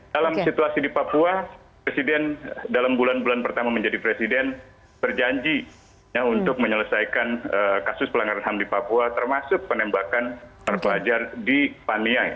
dalam situasi di papua presiden dalam bulan bulan pertama menjadi presiden berjanji untuk menyelesaikan kasus pelanggaran ham di papua termasuk penembakan terpelajar di paniai